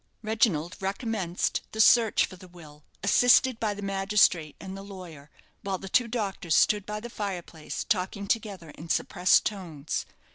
Reginald recommenced the search for the will, assisted by the magistrate and the lawyer, while the two doctors stood by the fire place, talking together in suppressed tones.